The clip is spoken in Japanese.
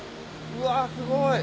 うわすごい！